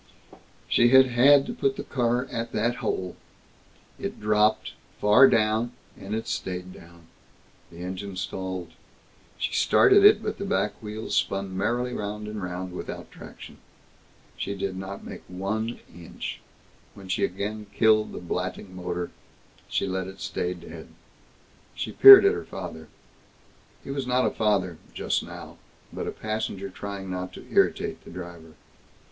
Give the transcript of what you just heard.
She had had to put the car at that hole. It dropped, far down, and it stayed down. The engine stalled. She started it, but the back wheels spun merrily round and round, without traction. She did not make one inch. When she again killed the blatting motor, she let it stay dead. She peered at her father. He was not a father, just now, but a passenger trying not to irritate the driver.